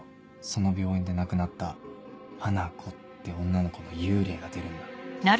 その病院で亡くなった花子って女の子の幽霊が出るんだ。